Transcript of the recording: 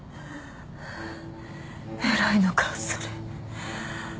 偉いのかそれ。